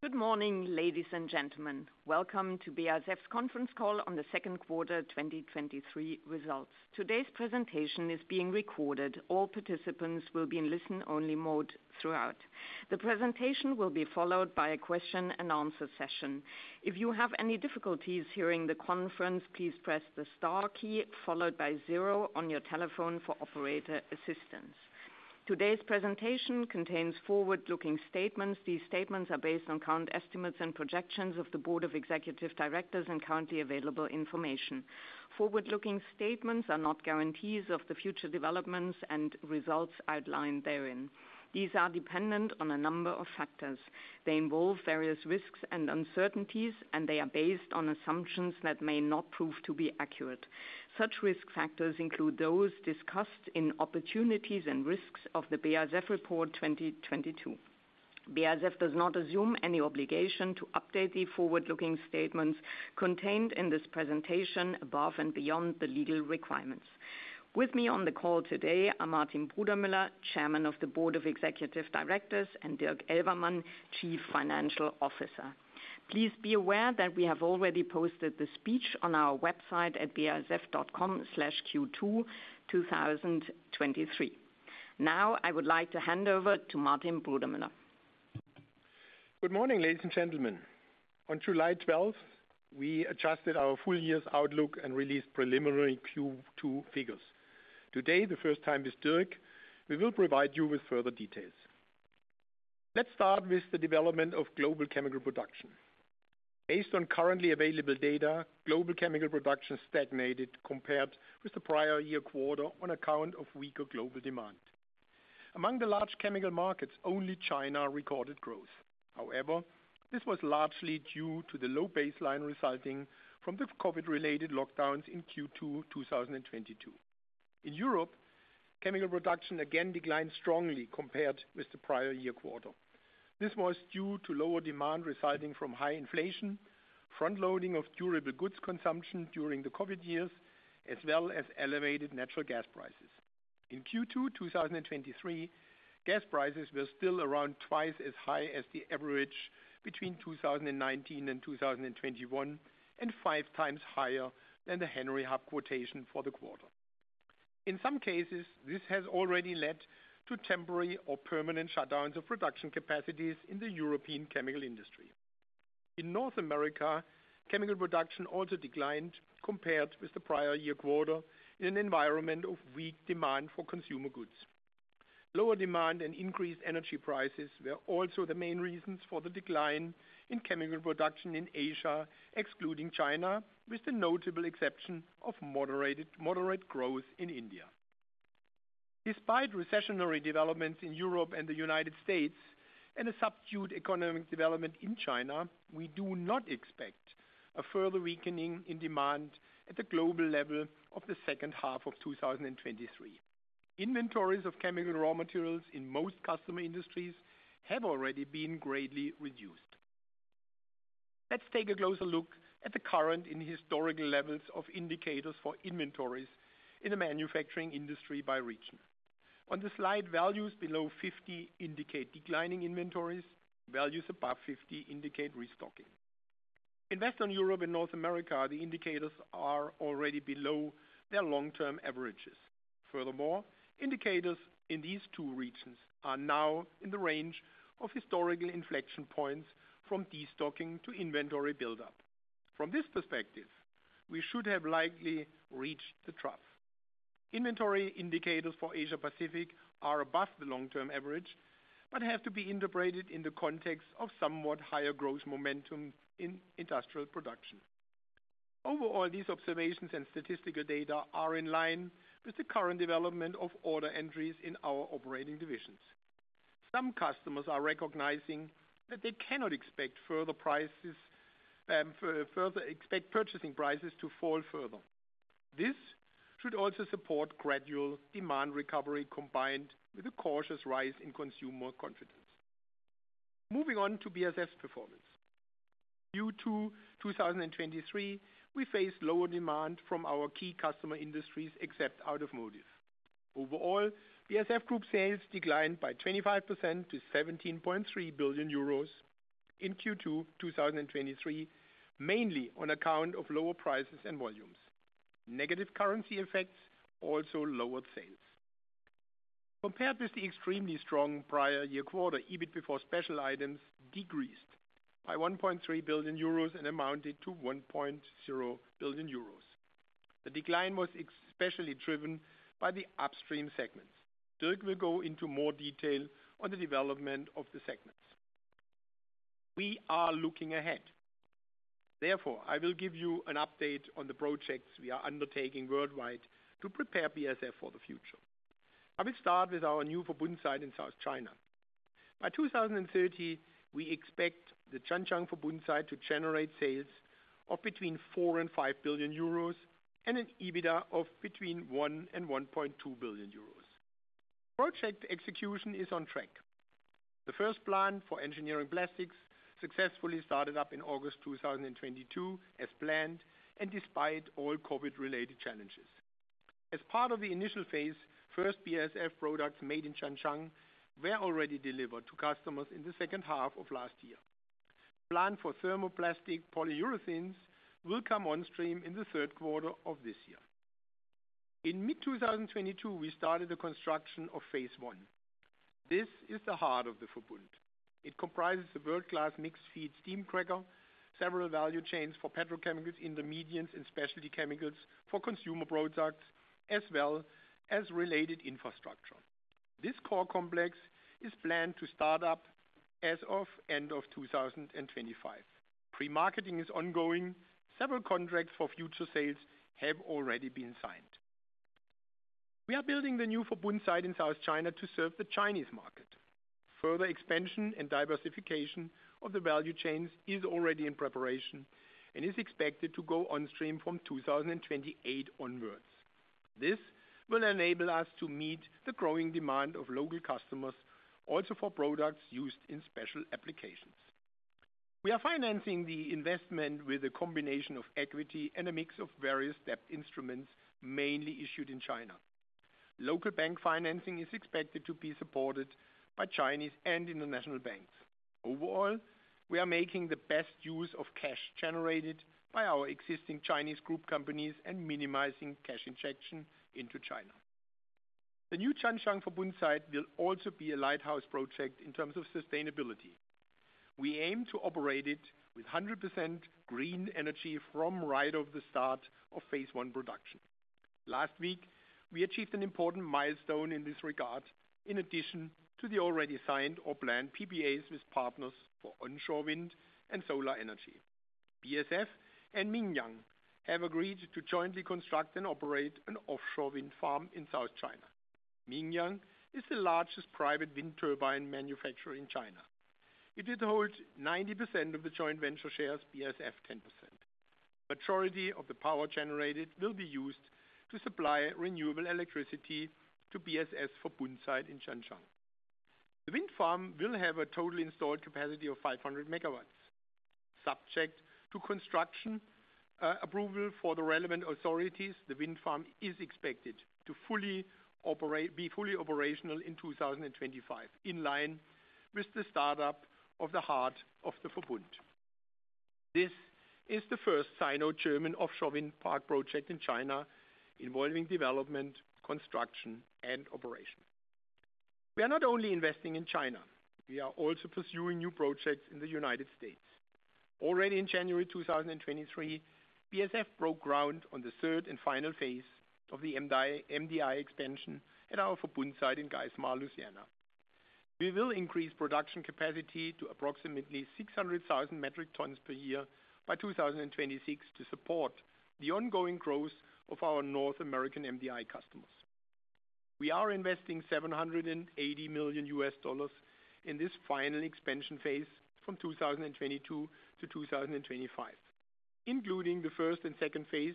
Good morning, ladies and gentlemen. Welcome to BASF's conference call on the second quarter 2023 results. Today's presentation is being recorded. All participants will be in listen-only mode throughout. The presentation will be followed by a question-and-answer session. If you have any difficulties hearing the conference, please press the star key followed by 0 on your telephone for operator assistance. Today's presentation contains forward-looking statements. These statements are based on current estimates and projections of the Board of Executive Directors and currently available information. Forward-looking statements are not guarantees of the future developments and results outlined therein. These are dependent on a number of factors. They involve various risks and uncertainties, and they are based on assumptions that may not prove to be accurate. Such risk factors include those discussed in Opportunities and Risks of the BASF Report 2022. BASF does not assume any obligation to update the forward-looking statements contained in this presentation above and beyond the legal requirements. With me on the call today are Martin Brudermüller, Chairman of the Board of Executive Directors, and Dirk Elvermann, Chief Financial Officer. Please be aware that we have already posted the speech on our website at basf.com/Q2-2023. I would like to hand over to Martin Brudermüller. Good morning, ladies and gentlemen. On July 12th, we adjusted our full year's outlook and released preliminary Q2 figures. Today, the first time with Dirk, we will provide you with further details. Let's start with the development of global chemical production. Based on currently available data, global chemical production stagnated compared with the prior year quarter on account of weaker global demand. Among the large chemical markets, only China recorded growth. However, this was largely due to the low baseline resulting from the COVID-related lockdowns in Q2 2022. In Europe, chemical production again declined strongly compared with the prior year quarter. This was due to lower demand resulting from high inflation, front-loading of durable goods consumption during the COVID years, as well as elevated natural gas prices. In Q2 2023, gas prices were still around twice as high as the average between 2019 and 2021, and five times higher than the Henry Hub quotation for the quarter. In some cases, this has already led to temporary or permanent shutdowns of production capacities in the European chemical industry. In North America, chemical production also declined compared with the prior year quarter in an environment of weak demand for consumer goods. Lower demand and increased energy prices were also the main reasons for the decline in chemical production in Asia, excluding China, with the notable exception of moderate growth in India. Despite recessionary developments in Europe and the United States and a subdued economic development in China, we do not expect a further weakening in demand at the global level of the second half of 2023. Inventories of chemical raw materials in most customer industries have already been greatly reduced. Let's take a closer look at the current and historical levels of indicators for inventories in the manufacturing industry by region. On the slide, values below 50 indicate declining inventories. Values above 50 indicate restocking. In Western Europe and North America, the indicators are already below their long-term averages. Furthermore, indicators in these two regions are now in the range of historical inflection points from destocking to inventory buildup. From this perspective, we should have likely reached the trough. Inventory indicators for Asia Pacific are above the long-term average, but have to be integrated in the context of somewhat higher growth momentum in industrial production. Overall, these observations and statistical data are in line with the current development of order entries in our operating divisions. Some customers are recognizing that they cannot expect further prices, further expect purchasing prices to fall further. This should also support gradual demand recovery, combined with a cautious rise in consumer confidence. Moving on to BASF's performance. Q2 2023, we faced lower demand from our key customer industries, except automotive. Overall, BASF Group sales declined by 25% to 17.3 billion euros in Q2 2023, mainly on account of lower prices and volumes. Negative currency effects also lowered sales. Compared with the extremely strong prior year quarter, EBIT before special items decreased by 1.3 billion euros and amounted to 1.0 billion euros. The decline was especially driven by the upstream segments. Dirk will go into more detail on the development of the segments. We are looking ahead. I will give you an update on the projects we are undertaking worldwide to prepare BASF for the future. I will start with our new Verbund site in South China. By 2030, we expect the Zhanjiang Verbund site to generate sales of between 4 billion and 5 billion euros and an EBITDA of between 1 billion and 1.2 billion euros. Project execution is on track. The first plant for engineering plastics successfully started up in August 2022 as planned, and despite all COVID-related challenges. As part of the initial phase, first BASF products made in Zhanjiang, were already delivered to customers in the second half of last year. Plan for thermoplastic polyurethanes will come on stream in the Q3 of this year. In mid-2022, we started the construction of phase one. This is the heart of the Verbund. It comprises a world-class mixed feed steam cracker, several value chains for petrochemicals, intermediates, and specialty chemicals for consumer products, as well as related infrastructure. This core complex is planned to start up as of end of 2025. Pre-marketing is ongoing. Several contracts for future sales have already been signed. We are building the new Verbund site in South China to serve the Chinese market. Further expansion and diversification of the value chains is already in preparation and is expected to go on stream from 2028 onwards. This will enable us to meet the growing demand of local customers, also for products used in special applications. We are financing the investment with a combination of equity and a mix of various debt instruments, mainly issued in China. Local bank financing is expected to be supported by Chinese and international banks. Overall, we are making the best use of cash generated by our existing Chinese group companies and minimizing cash injection into China. The new Zhanjiang Verbund site will also be a lighthouse project in terms of sustainability. We aim to operate it with 100% green energy from right of the start of phase 1 production. Last week, we achieved an important milestone in this regard, in addition to the already signed or planned PPAs with partners for onshore wind and solar energy. BASF and Mingyang have agreed to jointly construct and operate an offshore wind farm in South China. Mingyang is the largest private wind turbine manufacturer in China. It will hold 90% of the joint venture shares, BASF, 10%. Majority of the power generated will be used to supply renewable electricity to BASF Verbund site in Zhanjiang. The wind farm will have a total installed capacity of 500 megawatts. Subject to construction approval for the relevant authorities, the wind farm is expected to be fully operational in 2025, in line with the startup of the heart of the Verbund. This is the first Sino-German offshore wind park project in China, involving development, construction, and operation. We are not only investing in China, we are also pursuing new projects in the United States. Already in January 2023, BASF broke ground on the third and final phase of the MDI, MDI expansion at our Verbund site in Geismar, Louisiana. We will increase production capacity to approximately 600,000 metric tons per year by 2026, to support the ongoing growth of our North American MDI customers. We are investing $780 million in this final expansion phase from 2022-2025. Including the first and second phase,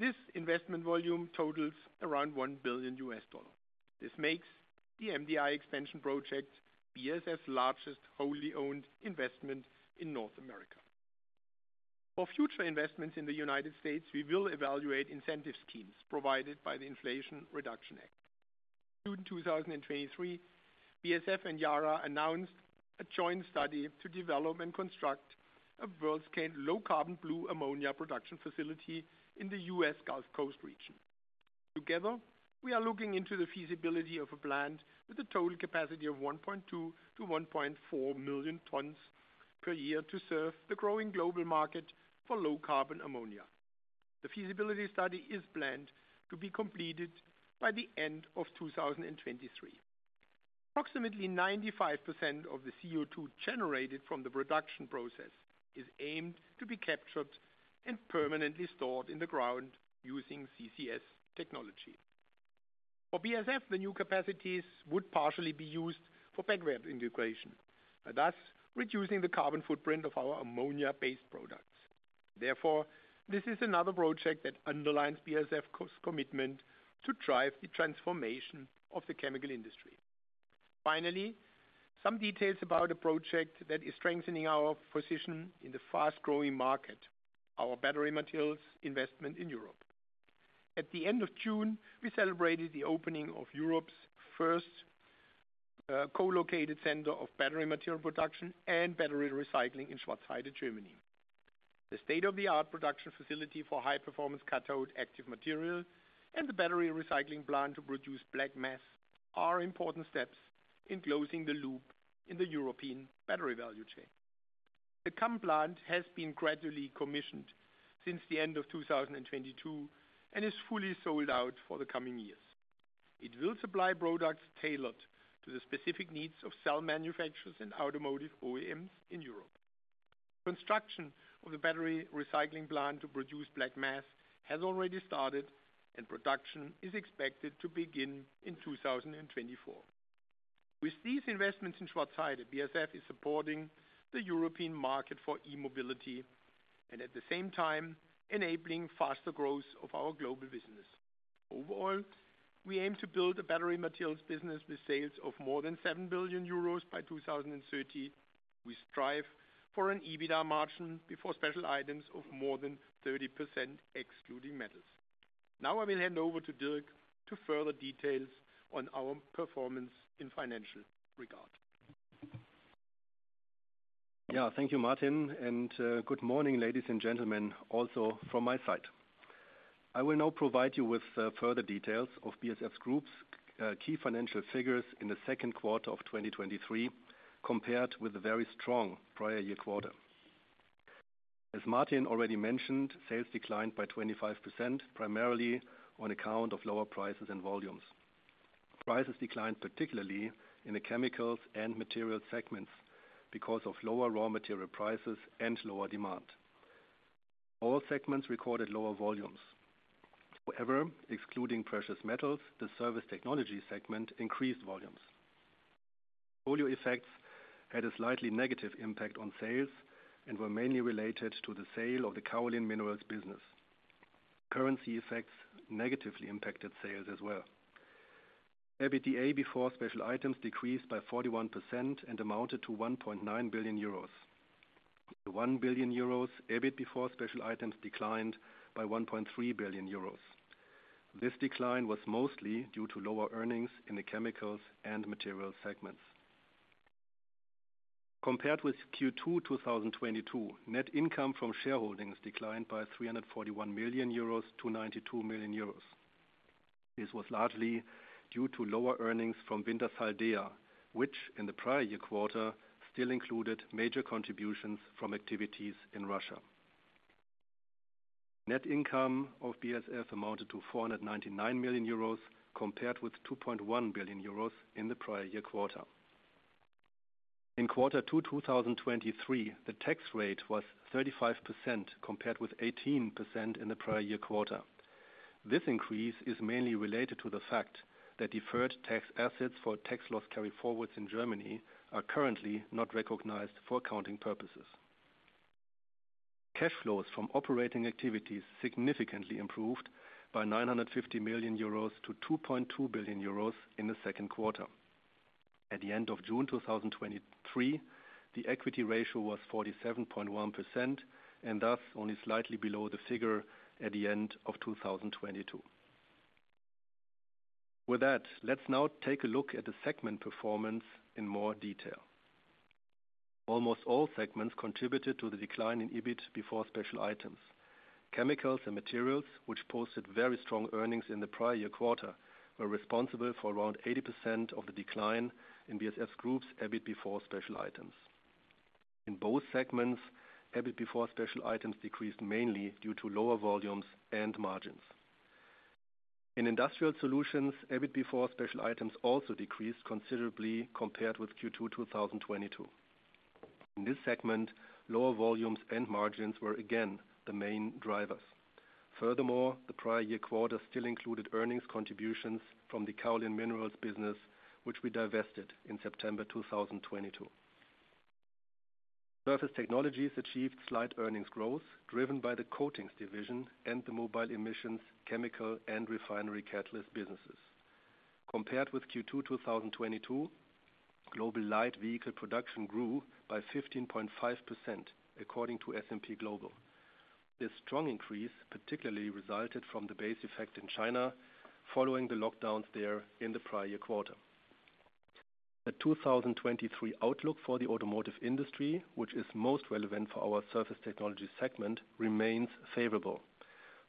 this investment volume totals around $1 billion. This makes the MDI expansion project BASF's largest wholly owned investment in North America. For future investments in the United States, we will evaluate incentive schemes provided by the Inflation Reduction Act. June 2023, BASF and Yara announced a joint study to develop and construct a world-scale, low-carbon, blue ammonia production facility in the US Gulf Coast region. Together, we are looking into the feasibility of a plant with a total capacity of 1.2 million-1.4 million tons per year to serve the growing global market for low-carbon ammonia. The feasibility study is planned to be completed by the end of 2023. Approximately 95% of the CO2 generated from the production process is aimed to be captured and permanently stored in the ground using CCS technology. For BASF, the new capacities would partially be used for backward integration, thus reducing the carbon footprint of our ammonia-based products. Therefore, this is another project that underlines BASF cost commitment to drive the transformation of the chemical industry. Finally, some details about a project that is strengthening our position in the fast-growing market, our battery materials investment in Europe. At the end of June, we celebrated the opening of Europe's first co-located center of battery material production and battery recycling in Schwarzheide, Germany. The state-of-the-art production facility for high-performance cathode active material and the battery recycling plant to produce black mass, are important steps in closing the loop in the European battery value chain. The CAM plant has been gradually commissioned since the end of 2022 and is fully sold out for the coming years. It will supply products tailored to the specific needs of cell manufacturers and automotive OEMs in Europe. Construction of the battery recycling plant to produce black mass has already started, and production is expected to begin in 2024. With these investments in Schwarzheide, BASF is supporting the European market for e-mobility, and at the same time, enabling faster growth of our global business. Overall We aim to build a battery materials business with sales of more than 7 billion euros by 2030. We strive for an EBITDA margin before special items of more than 30%, excluding metals. I will hand over to Dirk to further details on our performance in financial regard. Yeah, thank you, Martin. Good morning, ladies and gentlemen, also from my side. I will now provide you with further details of BASF Group's key financial figures in the second quarter of 2023, compared with a very strong prior year quarter. As Martin already mentioned, sales declined by 25%, primarily on account of lower prices and volumes. Prices declined, particularly in the chemicals and materials segments, because of lower raw material prices and lower demand. All segments recorded lower volumes. However, excluding precious metals, the service technology segment increased volumes. Portfolio effects had a slightly negative impact on sales and were mainly related to the sale of the kaolin minerals business. Currency effects negatively impacted sales as well. EBITDA before special items decreased by 41% and amounted to 1.9 billion euros. 1 billion euros, EBIT before special items declined by 1.3 billion euros. This decline was mostly due to lower earnings in the chemicals and materials segments. Compared with Q2 2022, net income from shareholdings declined by 341 million euros to 92 million euros. This was largely due to lower earnings from Wintershall Dea, which in the prior year quarter, still included major contributions from activities in Russia. Net income of BASF amounted to 499 million euros, compared with 2.1 billion euros in the prior year quarter. In quarter two 2023, the tax rate was 35%, compared with 18% in the prior year quarter. This increase is mainly related to the fact that deferred tax assets for tax loss carryforwards in Germany, are currently not recognized for accounting purposes. Cash flows from operating activities significantly improved by 950 million euros to 2.2 billion euros in the second quarter. At the end of June 2023, the equity ratio was 47.1%, and thus only slightly below the figure at the end of 2022. With that, let's now take a look at the segment performance in more detail. Almost all segments contributed to the decline in EBIT before special items. Chemicals and materials, which posted very strong earnings in the prior year quarter, were responsible for around 80% of the decline in BASF Group's EBIT before special items. In both segments, EBIT before special items decreased mainly due to lower volumes and margins. In Industrial Solutions, EBIT before special items also decreased considerably compared with Q2 2022. In this segment, lower volumes and margins were again the main drivers. Furthermore, the prior year quarter still included earnings contributions from the kaolin minerals business, which we divested in September 2022. Surface Technologies achieved slight earnings growth, driven by the coatings division and the mobile emissions, chemical and refinery catalyst businesses. Compared with Q2 2022, global light vehicle production grew by 15.5%, according to S&P Global. This strong increase particularly resulted from the base effect in China, following the lockdowns there in the prior year quarter. The 2023 outlook for the automotive industry, which is most relevant for our Surface Technologies segment, remains favorable.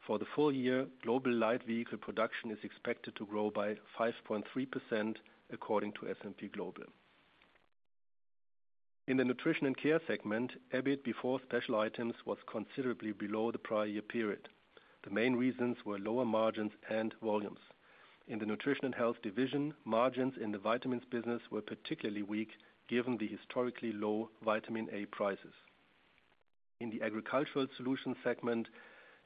For the full year, global light vehicle production is expected to grow by 5.3%, according to S&P Global. In the Nutrition & Care segment, EBIT before special items was considerably below the prior year period. The main reasons were lower margins and volumes. In the Nutrition and Health division, margins in the vitamins business were particularly weak, given the historically low vitamin A prices. In the Agricultural Solution segment,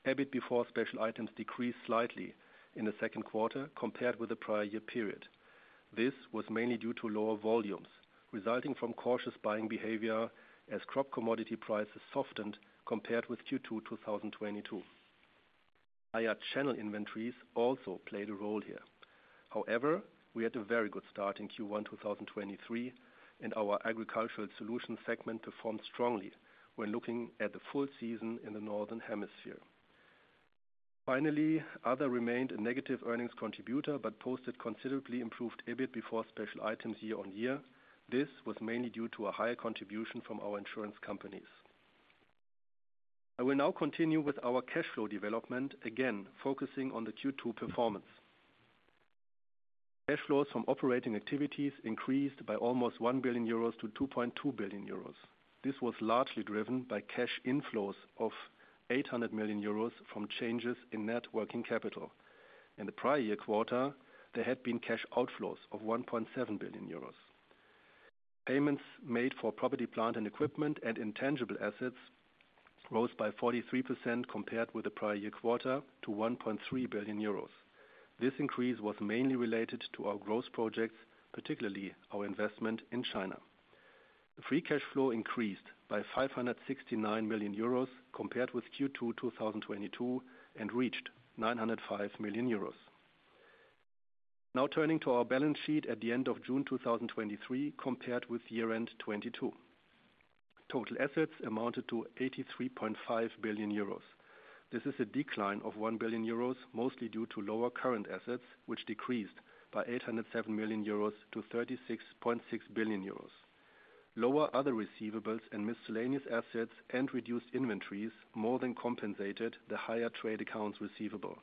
EBIT before special items decreased slightly in the second quarter compared with the prior year period. This was mainly due to lower volumes, resulting from cautious buying behavior as crop commodity prices softened compared with Q2 2022. Higher channel inventories also played a role here. However, we had a very good start in Q1 2023, and our Agricultural Solution segment performed strongly when looking at the full season in the Northern Hemisphere. Finally, other remained a negative earnings contributor, but posted considerably improved EBIT before special items year on year. This was mainly due to a higher contribution from our insurance companies. I will now continue with our cash flow development, again, focusing on the Q2 performance. Cash flows from operating activities increased by almost 1 billion euros to 2.2 billion euros. This was largely driven by cash inflows of 800 million euros from changes in net working capital. In the prior year quarter, there had been cash outflows of 1.7 billion euros. Payments made for property, plant, and equipment and intangible assets rose by 43% compared with the prior year quarter to 1.3 billion euros. This increase was mainly related to our growth projects, particularly our investment in China.... The free cash flow increased by 569 million euros compared with Q2 2022, and reached 905 million euros. Turning to our balance sheet at the end of June 2023, compared with year-end 2022. Total assets amounted to 83.5 billion euros. This is a decline of 1 billion euros, mostly due to lower current assets, which decreased by 807 million euros to 36.6 billion euros. Lower other receivables and miscellaneous assets and reduced inventories more than compensated the higher trade accounts receivable.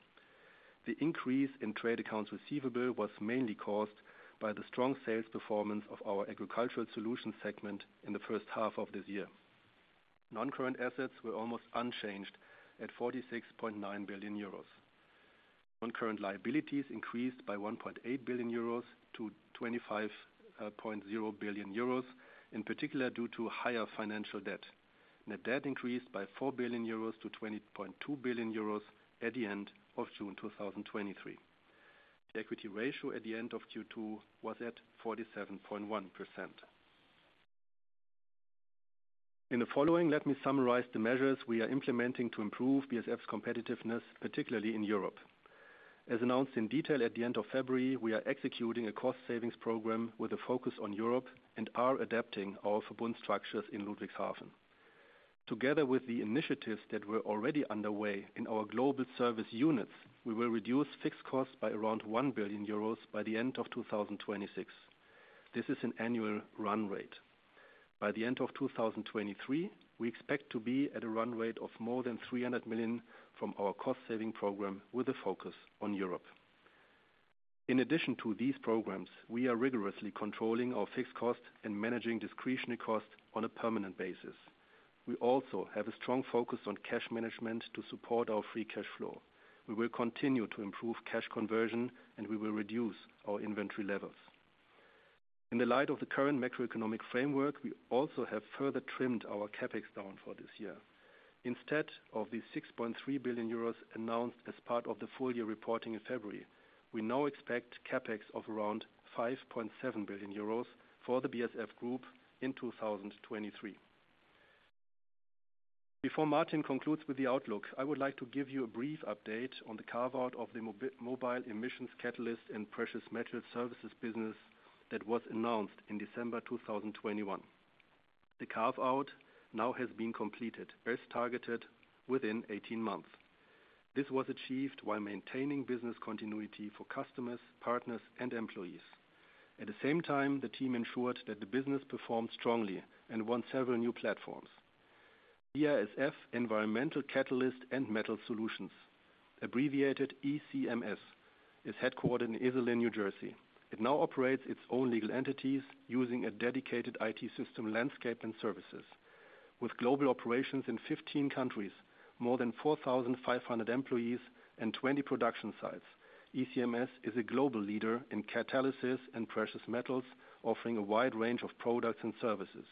The increase in trade accounts receivable was mainly caused by the strong sales performance of our agricultural solutions segment in the first half of this year. Non-current assets were almost unchanged at 46.9 billion euros. Non-current liabilities increased by 1.8 billion euros to 25.0 billion euros, in particular, due to higher financial debt. Net debt increased by 4 billion euros to 20.2 billion euros at the end of June 2023. The equity ratio at the end of Q2 was at 47.1%. In the following, let me summarize the measures we are implementing to improve BASF's competitiveness, particularly in Europe. As announced in detail at the end of February, we are executing a cost savings program with a focus on Europe and are adapting our structures in Ludwigshafen. Together with the initiatives that were already underway in our global service units, we will reduce fixed costs by around 1 billion euros by the end of 2026. This is an annual run rate. By the end of 2023, we expect to be at a run rate of more than 300 million from our cost saving program, with a focus on Europe. In addition to these programs, we are rigorously controlling our fixed costs and managing discretionary costs on a permanent basis. We also have a strong focus on cash management to support our free cash flow. We will continue to improve cash conversion, and we will reduce our inventory levels. In the light of the current macroeconomic framework, we also have further trimmed our CapEx down for this year. Instead of the 6.3 billion euros announced as part of the full year reporting in February, we now expect CapEx of around 5.7 billion euros for the BASF Group in 2023. Before Martin concludes with the outlook, I would like to give you a brief update on the carve-out of the mobile emissions catalysts and precious metal services business that was announced in December 2021. The carve-out now has been completed, as targeted within 18 months. This was achieved while maintaining business continuity for customers, partners, and employees. At the same time, the team ensured that the business performed strongly and won several new platforms. BASF Environmental Catalyst and Metal Solutions, abbreviated ECMS, is headquartered in Iselin, New Jersey. It now operates its own legal entities using a dedicated IT system, landscape, and services. With global operations in 15 countries, more than 4,500 employees, and 20 production sites, ECMS is a global leader in catalysis and precious metals, offering a wide range of products and services.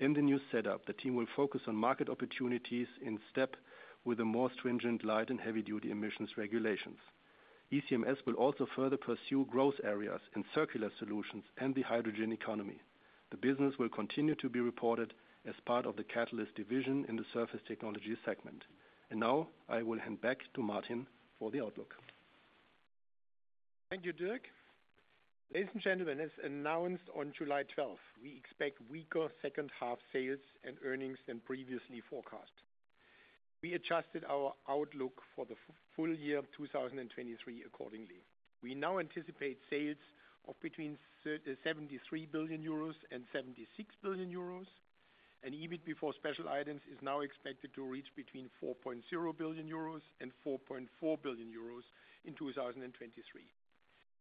In the new setup, the team will focus on market opportunities in step with the more stringent light and heavy-duty emissions regulations. ECMS will also further pursue growth areas in circular solutions and the hydrogen economy. The business will continue to be reported as part of the catalyst division in the surface technology segment. Now, I will hand back to Martin for the outlook. Thank you, Dirk. Ladies and gentlemen, as announced on July 12th, we expect weaker second half sales and earnings than previously forecast. We adjusted our outlook for the full year of 2023 accordingly. We now anticipate sales of between 73 billion euros and 76 billion euros, and EBIT before special items is now expected to reach between 4.0 billion euros and 4.4 billion euros in 2023.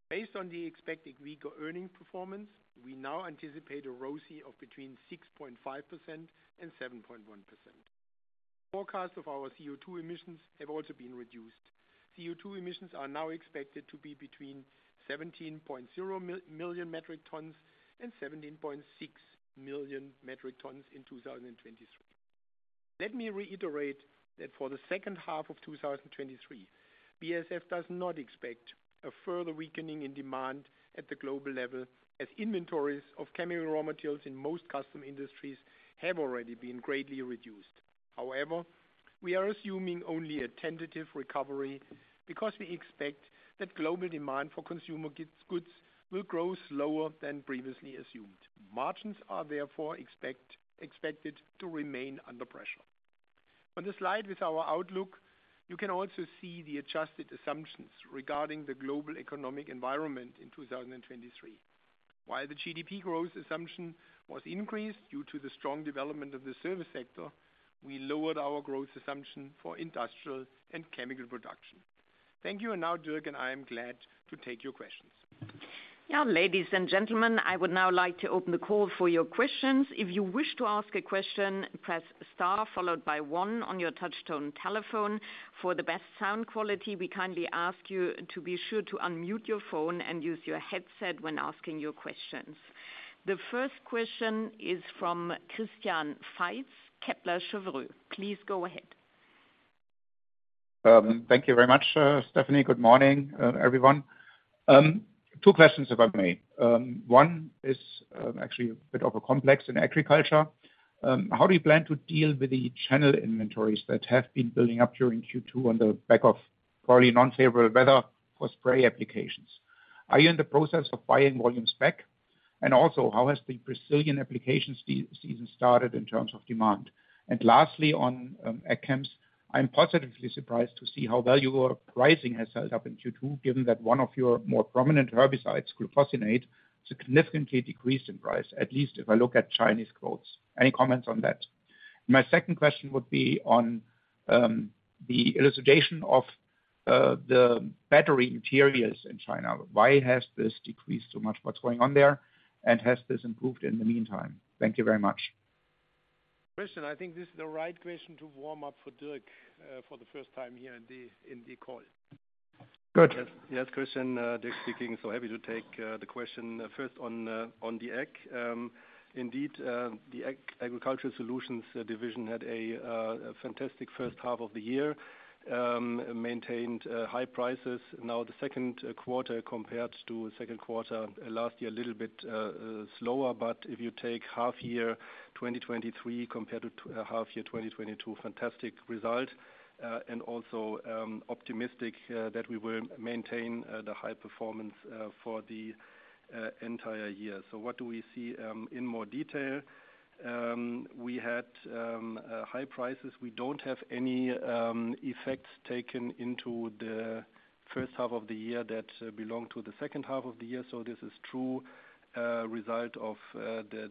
Based on the expected weaker earning performance, we now anticipate a ROCE of between 6.5% and 7.1%. Forecast of our CO2 emissions have also been reduced. CO2 emissions are now expected to be between 17.0 million metric tons and 17.6 million metric tons in 2023. Let me reiterate that for the second half of 2023, BASF does not expect a further weakening in demand at the global level, as inventories of chemical raw materials in most custom industries have already been greatly reduced. However, we are assuming only a tentative recovery because we expect that global demand for consumer goods will grow slower than previously assumed. Margins are therefore expected to remain under pressure. On the slide with our outlook, you can also see the adjusted assumptions regarding the global economic environment in 2023. While the GDP growth assumption was increased due to the strong development of the service sector, we lowered our growth assumption for industrial and chemical production. Thank you, and now Dirk and I am glad to take your questions. Ladies and gentlemen, I would now like to open the call for your questions. If you wish to ask a question, press star followed by 1 on your touch-tone telephone. For the best sound quality, we kindly ask you to be sure to unmute your phone and use your headset when asking your questions. The first question is from Christian Faitz, Kepler Cheuvreux. Please go ahead. Thank you very much, Stefanie. Good morning, everyone. Two questions if I may. One is, actually a bit of a complex in agriculture. How do you plan to deal with the channel inventories that have been building up during Q2 on the back of probably unfavorable weather for spray applications? Are you in the process of buying volumes back? Also, how has the Brazilian application season started in terms of demand? Lastly, on AgChems, I'm positively surprised to see how well your pricing has held up in Q2, given that one of your more prominent herbicides, glufosinate, significantly decreased in price, at least if I look at Chinese quotes. Any comments on that? My second question would be on the valuation of the battery materials in China. Why has this decreased so much? What's going on there? Has this improved in the meantime? Thank you very much. Christian, I think this is the right question to warm up for Dirk, for the first time here in the, in the call. Good. Yes, yes, Christian, Dirk speaking. Happy to take the question. First on on the Ag. Indeed, the Agricultural Solutions division had a fantastic first half of the year, maintained high prices. The second quarter compared to second quarter last year, a little bit slower, but if you take half year 2023 compared to half year 2022, fantastic result. Also, optimistic that we will maintain the high performance for the entire year. What do we see in more detail? We had high prices. We don't have any effects taken into the first half of the year that belong to the second half of the year, so this is true result of the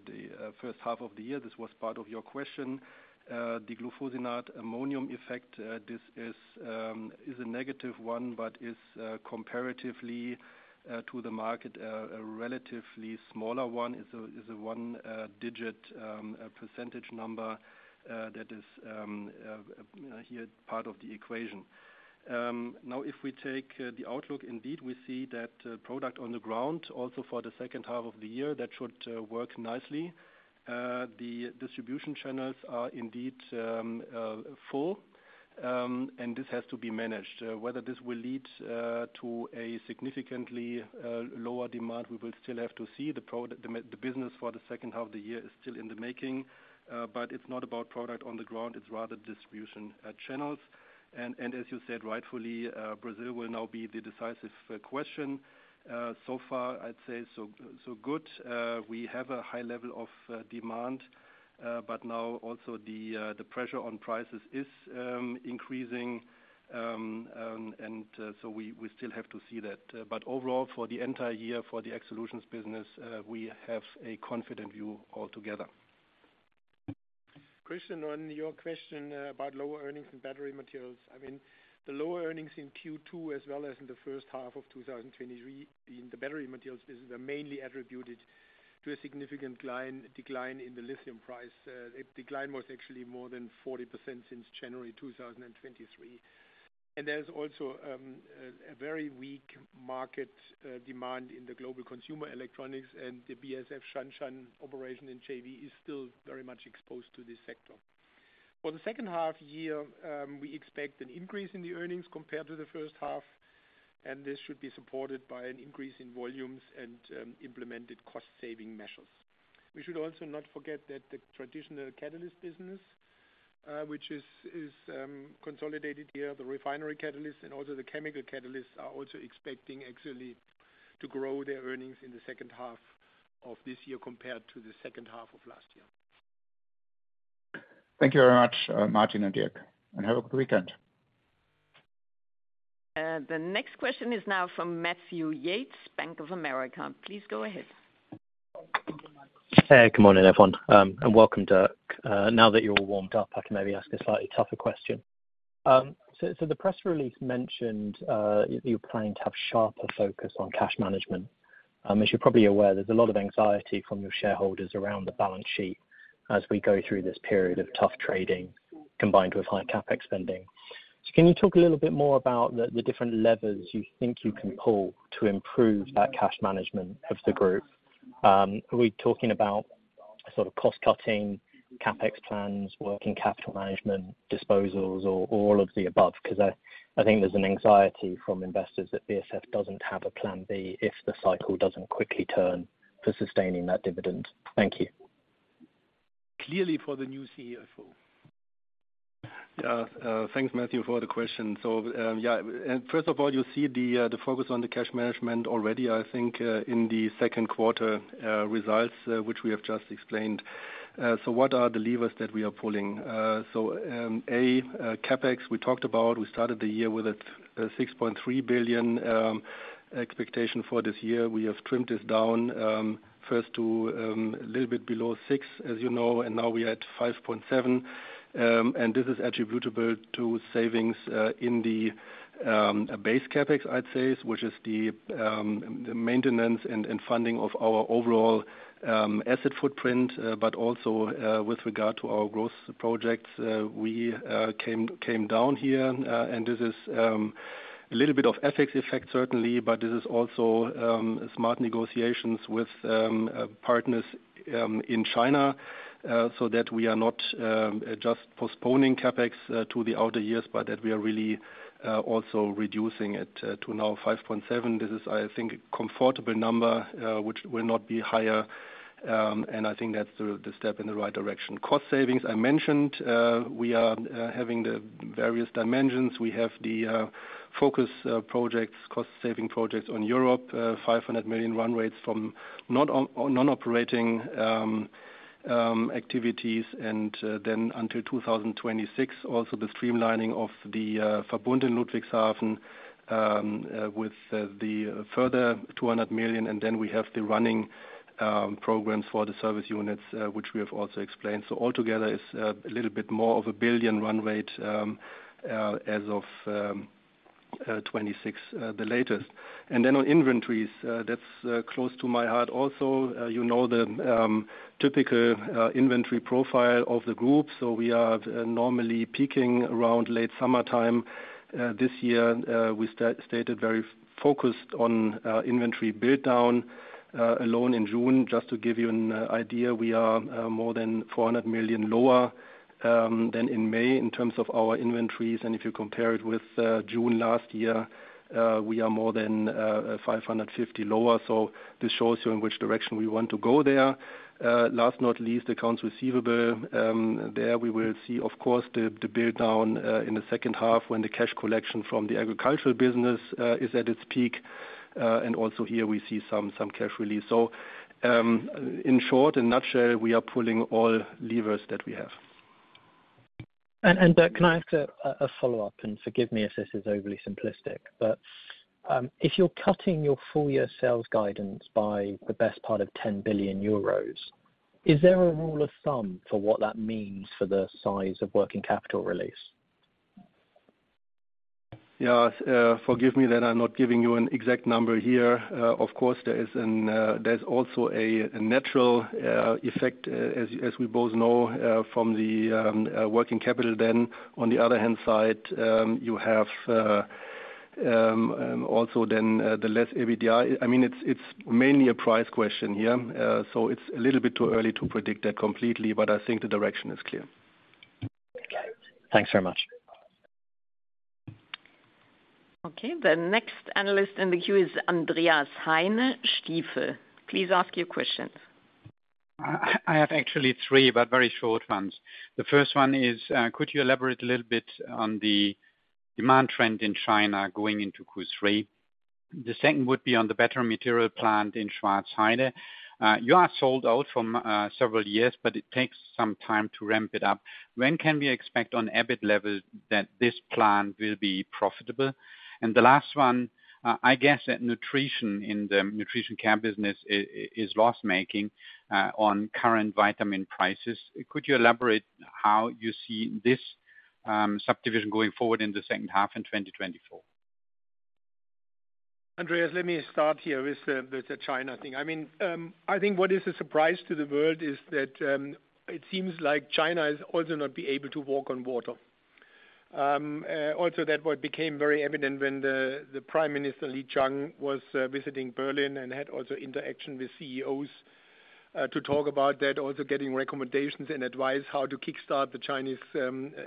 first half of the year. This was part of your question. The glufosinate-ammonium effect, this is a negative one, but is comparatively to the market a relatively smaller one. It's a 1 digit percentage number that is here part of the equation. Now, if we take the outlook, indeed, we see that product on the ground also for the second half of the year, that should work nicely. The distribution channels are indeed full, and this has to be managed. Whether this will lead to a significantly lower demand, we will still have to see. The business for the second half of the year is still in the making, but it's not about product on the ground, it's rather distribution channels. As you said, rightfully, Brazil will now be the decisive question. So far I'd say so, so good. We have a high level of demand, but now also the pressure on prices is increasing. We still have to see that. Overall, for the entire year, for the Ag Solutions business, we have a confident view altogether. Christian, on your question about lower earnings and battery materials, I mean, the lower earnings in Q2, as well as in the first half of 2023 in the battery materials business, are mainly attributed to a significant decline, decline in the lithium price. The decline was actually more than 40% since January 2023. There's also a very weak market demand in the global consumer electronics, and the BASF Shanshan operation in JV is still very much exposed to this sector. For the second half year, we expect an increase in the earnings compared to the first half, and this should be supported by an increase in volumes and implemented cost saving measures. We should also not forget that the traditional catalyst business, which is consolidated here, the refinery catalysts and also the chemical catalysts, are also expecting actually to grow their earnings in the second half of this year compared to the second half of last year. Thank you very much, Martin and Dirk, and have a good weekend. The next question is now from Matthew Yates, Bank of America. Please go ahead. Good morning, everyone, and welcome, Dirk. Now that you're all warmed up, I can maybe ask a slightly tougher question. So the press release mentioned, you're planning to have sharper focus on cash management. As you're probably aware, there's a lot of anxiety from your shareholders around the balance sheet as we go through this period of tough trading combined with high CapEx spending. Can you talk a little bit more about the, the different levers you think you can pull to improve that cash management of the group? Are we talking about sort of cost-cutting, CapEx plans, working capital management, disposals, or, or all of the above? 'Cause I, I think there's an anxiety from investors that BASF doesn't have a plan B if the cycle doesn't quickly turn for sustaining that dividend. Thank you. Clearly for the new CFO. Thanks, Matthew, for the question. Yeah, first of all, you see the focus on the cash management already, I think, in the second quarter results, which we have just explained. What are the levers that we are pulling? A, CapEx, we talked about, we started the year with a 6.3 billion expectation for this year. We have trimmed this down, first to a little bit below 6 billion, as you know, and now we're at 5.7 billion. This is attributable to savings in the base CapEx, I'd say, which is the maintenance and funding of our overall asset footprint. Also, with regard to our growth projects, we, came, came down here, and this is.a little bit of FX effect, certainly, but this is also smart negotiations with partners in China so that we are not just postponing CapEx to the outer years, but that we are really also reducing it to now 5.7 billion. This is, I think, a comfortable number which will not be higher. I think that's the step in the right direction. Cost savings, I mentioned, we are having the various dimensions. We have the focus projects, cost saving projects on Europe, 500 million run rates from non-operating activities. Then until 2026, also the streamlining of the Verbund in Ludwigshafen with the further 200 million. Then we have the running programs for the service units, which we have also explained. Altogether is a little bit more of a 1 billion run rate as of 2026, the latest. Then on inventories, that's close to my heart also. You know, the typical inventory profile of the group. We are normally peaking around late summertime. This year, we stayed very focused on inventory build down alone in June. Just to give you an idea, we are more than 400 million lower than in May in terms of our inventories. If you compare it with June last year, we are more than 550 lower. This shows you in which direction we want to go there. Last not least, accounts receivable. There we will see, of course, the, the build down in the second half when the cash collection from the agricultural business is at its peak. Also here we see some, some cash release. In short, in nutshell, we are pulling all levers that we have. Can I ask a, a follow-up? Forgive me if this is overly simplistic, but, if you're cutting your full year sales guidance by the best part of 10 billion euros, is there a rule of thumb for what that means for the size of working capital release? Yeah. Forgive me that I'm not giving you an exact number here. Of course, there is an, there's also a, a natural, effect, as, as we both know, from the, working capital. On the other hand side, you have, also then, the less EBITDA. I mean, it's, it's mainly a price question here. It's a little bit too early to predict that completely, but I think the direction is clear. Okay. Thanks very much. Okay, the next analyst in the queue is Andreas Heine, Stifel. Please ask your question. I, I have actually 3, but very short ones. The first one is, could you elaborate a little bit on the demand trend in China going into Q3? The second would be on the battery material plant in Schwarzheide. You are sold out from several years, but it takes some time to ramp it up. When can we expect on EBIT level that this plant will be profitable? The last one, I guess that nutrition in the nutrition care business is loss making on current vitamin prices. Could you elaborate how you see this subdivision going forward in the second half in 2024? Andreas, let me start here with, with the China thing. I mean, I think what is a surprise to the world is that, it seems like China is also not be able to walk on water. Also that what became very evident when the Prime Minister, Li Qiang, was visiting Berlin and had also interaction with CEOs, to talk about that, also getting recommendations and advice how to kickstart the Chinese,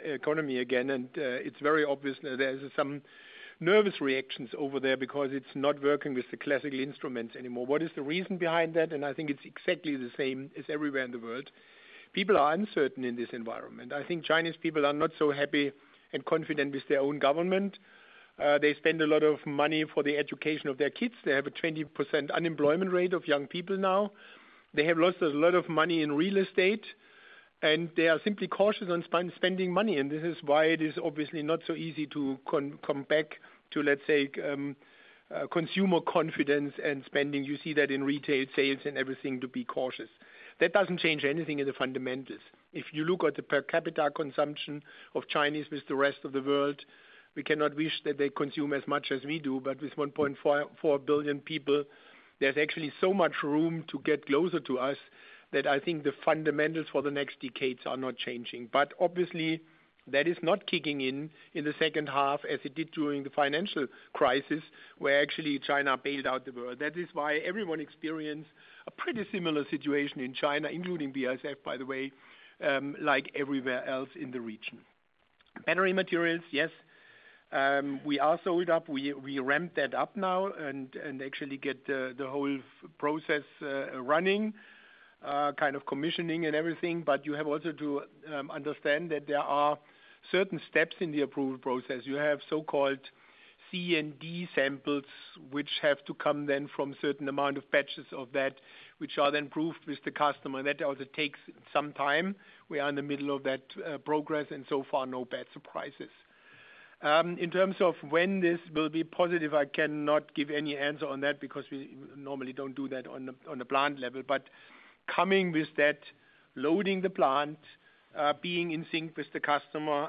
economy again. It's very obvious there is some nervous reactions over there because it's not working with the classical instruments anymore. What is the reason behind that? I think it's exactly the same as everywhere in the world. People are uncertain in this environment. I think Chinese people are not so happy and confident with their own government. They spend a lot of money for the education of their kids. They have a 20% unemployment rate of young people now. They have lost a lot of money in real estate, and they are simply cautious on spending money, and this is why it is obviously not so easy to come back to, let's say, consumer confidence and spending. You see that in retail sales and everything, to be cautious. That doesn't change anything in the fundamentals. If you look at the per capita consumption of Chinese with the rest of the world, we cannot wish that they consume as much as we do, but with 1.44 billion people, there's actually so much room to get closer to us that I think the fundamentals for the next decades are not changing. Obviously that is not kicking in in the second half as it did during the financial crisis, where actually China bailed out the world. That is why everyone experienced a pretty similar situation in China, including BASF, by the way, like everywhere else in the region. Battery materials, yes, we are sold out. We, we ramp that up now and, and actually get the whole process running, kind of commissioning and everything. You have also to understand that there are certain steps in the approval process. You have so-called C and D samples, which have to come then from certain amount of batches of that, which are then approved with the customer. That also takes some time. We are in the middle of that progress, and so far, no bad surprises. In terms of when this will be positive, I cannot give any answer on that because we normally don't do that on the, on the plant level. Coming with that, loading the plant, being in sync with the customer,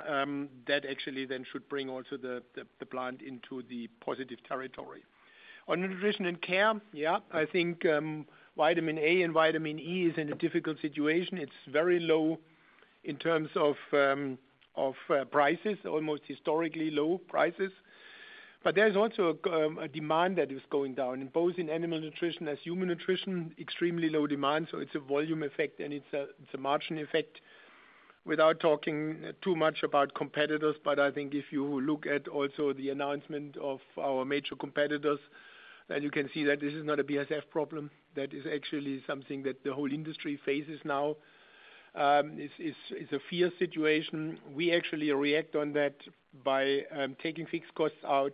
that actually then should bring also the, the, the plant into the positive territory. On Nutrition & Care, yeah, I think, vitamin A and vitamin E is in a difficult situation. It's very low in terms of, of prices, almost historically low prices. There's also a demand that is going down, both in animal nutrition as human nutrition, extremely low demand, so it's a volume effect and it's a, it's a margin effect. Without talking too much about competitors, I think if you look at also the announcement of our major competitors, then you can see that this is not a BASF problem. That is actually something that the whole industry faces now. It's, it's, it's a fear situation. We actually react on that by taking fixed costs out,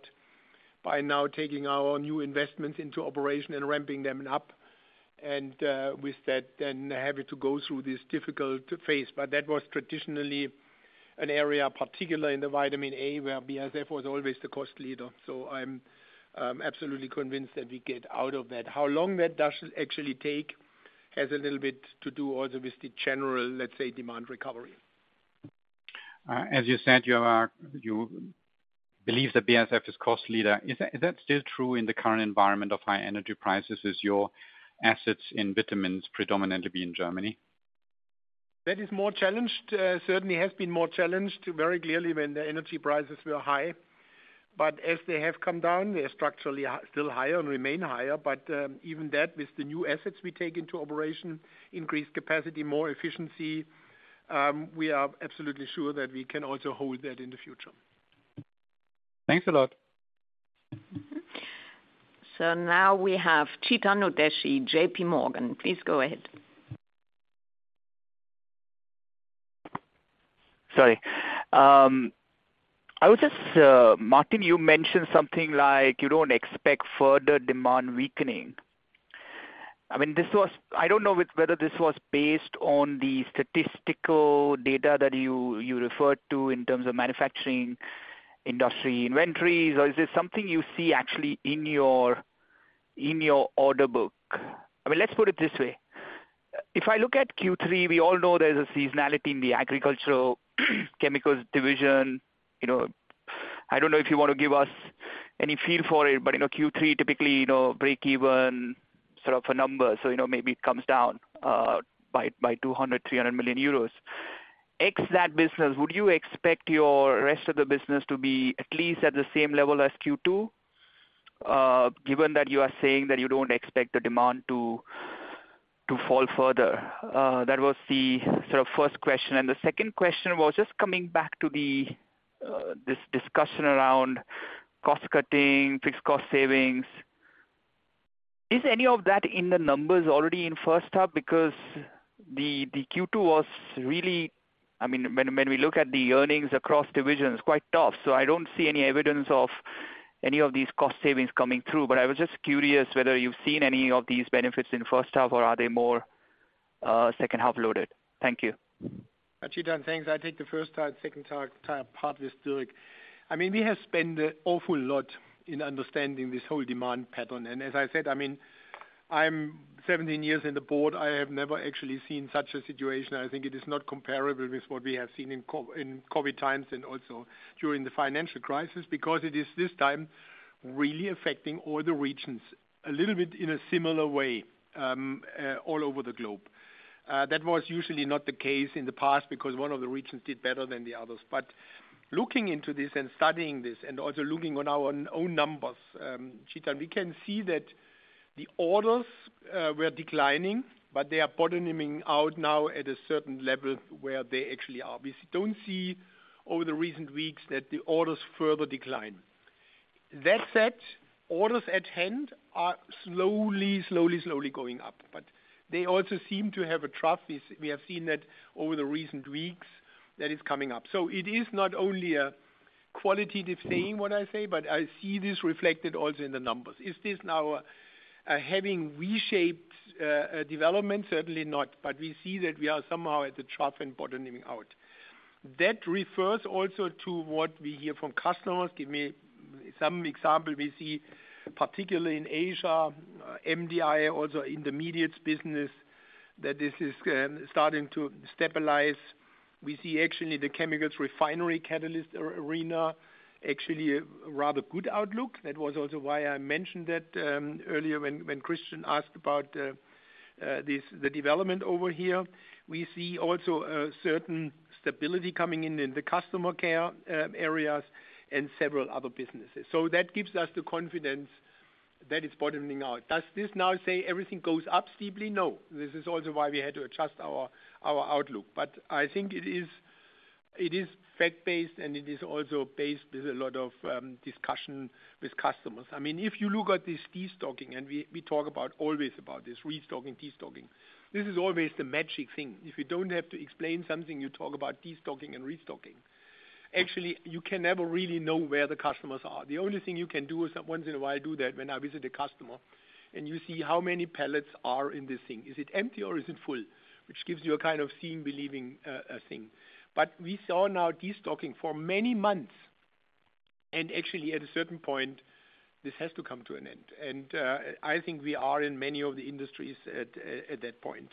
by now taking our new investments into operation and ramping them up, and with that, then having to go through this difficult phase. That was traditionally an area, particularly in the Vitamin A, where BASF was always the cost leader, so I'm absolutely convinced that we get out of that. How long that does actually take, has a little bit to do also with the general, let's say, demand recovery. As you said, you believe that BASF is cost leader. Is that, is that still true in the current environment of high energy prices, as your assets in vitamins predominantly be in Germany? That is more challenged, certainly has been more challenged very clearly when the energy prices were high. As they have come down, they are structurally still higher and remain higher, but even that, with the new assets we take into operation, increased capacity, more efficiency, we are absolutely sure that we can also hold that in the future. Thanks a lot. Now we have Chetan Udeshi, J.P. Morgan, please go ahead. Sorry. I was just Martin, you mentioned something like you don't expect further demand weakening. I mean, I don't know whether this was based on the statistical data that you, you referred to in terms of manufacturing, industry inventories, or is this something you see actually in your, in your order book? I mean, let's put it this way: If I look at Q3, we all know there's a seasonality in the agricultural chemicals division. You know, I don't know if you want to give us any feel for it, but, you know, Q3 typically, you know, break even sort of a number. So, you know, maybe it comes down by 200 million-300 million euros. Ex that business, would you expect your rest of the business to be at least at the same level as Q2, given that you are saying that you don't expect the demand to, to fall further? That was the sort of first question. The second question was just coming back to the discussion around cost cutting, fixed cost savings. Is any of that in the numbers already in first half? Because the Q2 was really, I mean, when, when we look at the earnings across divisions, quite tough, so I don't see any evidence of any of these cost savings coming through. I was just curious whether you've seen any of these benefits in first half, or are they more second half loaded? Thank you. Chetan, thanks. I take the first part, second part, part is doing. I mean, we have spent an awful lot in understanding this whole demand pattern, and as I said, I mean, I'm 17 years in the board. I have never actually seen such a situation. I think it is not comparable with what we have seen in COVID, in COVID times and also during the financial crisis, because it is, this time, really affecting all the regions a little bit in a similar way all over the globe. That was usually not the case in the past because one of the regions did better than the others. Looking into this and studying this and also looking on our own numbers, Chetan, we can see that the orders were declining, but they are bottoming out now at a certain level where they actually are. We don't see over the recent weeks that the orders further decline. That said, orders at hand are slowly, slowly, slowly going up, but they also seem to have a trough. We have seen that over the recent weeks, that is coming up. It is not only a qualitative saying, what I say, but I see this reflected also in the numbers. Is this now a having reshaped development? Certainly not, but we see that we are somehow at the trough and bottoming out. That refers also to what we hear from customers. Give me some example. We see, particularly in Asia, MDI, also intermediates business, that this is starting to stabilize. We see actually the chemicals refinery catalyst arena, actually a rather good outlook. That was also why I mentioned that earlier when Christian asked about this, the development over here. We see also a certain stability coming in in the Consumer Care areas and several other businesses. That gives us the confidence that it's bottoming out. Does this now say everything goes up steeply? No. This is also why we had to adjust our, our outlook, but I think it is, it is fact-based, and it is also based with a lot of discussion with customers. I mean, if you look at this destocking, and we talk about, always about this restocking, destocking. This is always the magic thing. If you don't have to explain something, you talk about destocking and restocking. Actually, you can never really know where the customers are. The only thing you can do is, once in a while, I do that when I visit a customer, and you see how many pallets are in this thing. Is it empty or is it full? Which gives you a kind of seeing believing thing. We saw now destocking for many months, and actually, at a certain point, this has to come to an end. I think we are in many of the industries at that point.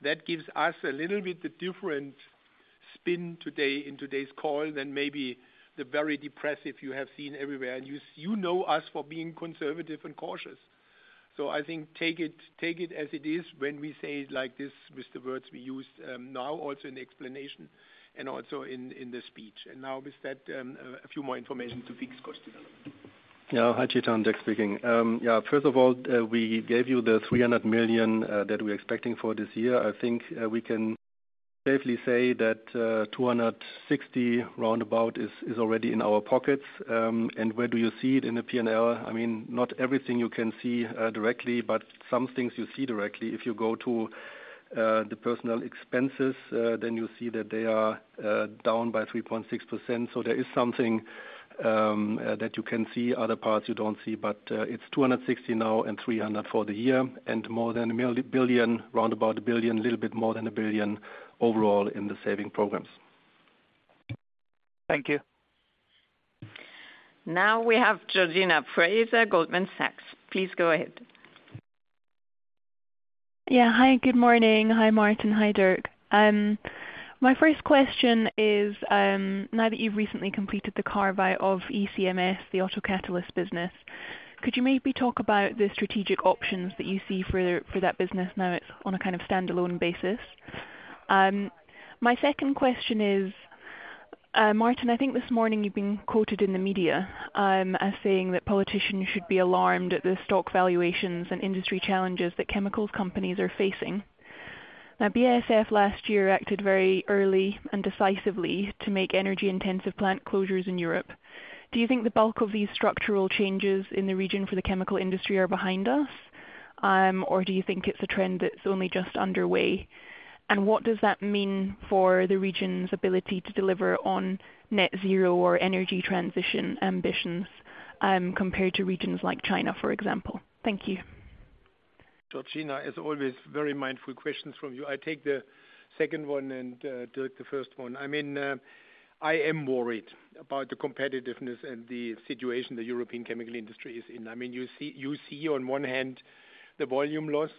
That gives us a little bit the different spin today in today's call than maybe the very depressive you have seen everywhere, and you know us for being conservative and cautious. I think take it, take it as it is when we say it like this with the words we use, now, also in the explanation and also in, in the speech. Now with that, a few more information to fixed costs development. Yeah. Hi, Chetan, Dirk speaking. Yeah, first of all, we gave you the 300 million that we're expecting for this year. I think, we can safely say that, 260 roundabout is already in our pockets. Where do you see it? In the PNL, I mean, not everything you can see directly, but some things you see directly. If you go to the personal expenses, then you see that they are down by 3.6%. There is something that you can see, other parts you don't see, but, it's 260 now, and 300 for the year, and more than a billion, roundabout 1 billion, a little bit more than 1 billion overall in the saving programs. Thank you. Now we have Georgina Fraser, Goldman Sachs. Please go ahead. Yeah. Hi, good morning. Hi, Martin. Hi, Dirk. My first question is, now that you've recently completed the carve-out of ECMS, the autocatalyst business, could you maybe talk about the strategic options that you see for, for that business now it's on a kind of standalone basis? My second question is, Martin, I think this morning you've been quoted in the media, as saying that politicians should be alarmed at the stock valuations and industry challenges that chemicals companies are facing. BASF last year acted very early and decisively to make energy-intensive plant closures in Europe. Do you think the bulk of these structural changes in the region for the chemical industry are behind us? Do you think it's a trend that's only just underway, and what does that mean for the region's ability to deliver on net zero or energy transition ambitions, compared to regions like China, for example? Thank you. Georgina, as always, very mindful questions from you. I take the second one, and Dirk, the first one. I mean, I am worried about the competitiveness and the situation the European chemical industry is in. I mean, you see, you see on one hand, the volume loss.